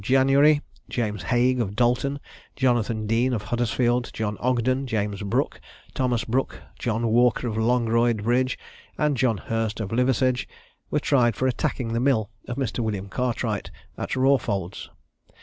_] On the 9th January, James Haigh of Dalton, Jonathan Deane of Huddersfield, John Ogden, James Brook, Thomas Brook, John Walker of Longroyd Bridge, and John Hirst of Liversedge, were tried for attacking the mill of Mr. William Cartwright at Rawfolds.